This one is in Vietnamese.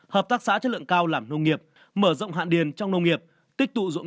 hợp tác xã chất lượng cao làm nông nghiệp mở rộng hạn điền trong nông nghiệp tích tụ dụng